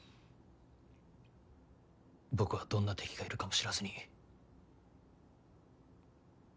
僕はどんな敵がいるかも知らずに。